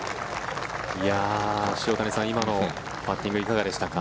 塩谷さん、今のパッティングいかがでしたか？